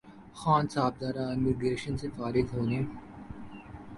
خان صاحب ذرا امیگریشن سے فارغ ہولیں